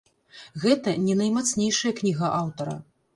Гэта не наймацнейшая кніга аўтара.